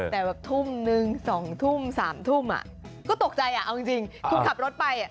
แต่แบบทุ่มนึง๒ทุ่ม๓ทุ่มก็ตกใจเอาจริงคุณขับรถไป